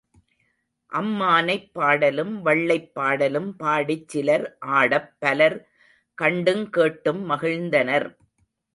அம்மானைப் பாடலும் வள்ளைப் பாடலும் பாடிச் சிலர் ஆடப் பலர் கண்டுங் கேட்டும் மகிழ்ந்தனர்.